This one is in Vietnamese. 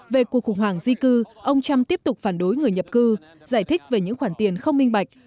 về cuộc khủng hoảng di cư ông trump tiếp tục phản đối người nhập cư giải thích về những khoản tiền không minh bạch